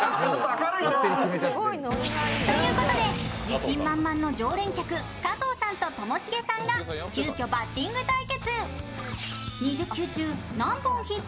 自身満々の常連客・加藤さんとともしげさんが急きょ、バッティング対決。